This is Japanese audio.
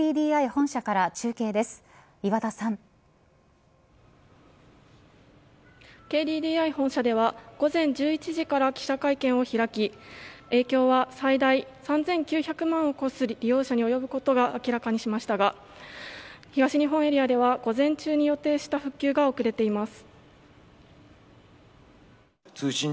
本社では午前１１時から記者会見を開き影響は最大３９００万を超す利用者に及ぶことが明らかにしましたが東日本エリアでは午前中に予定した復旧が遅れています。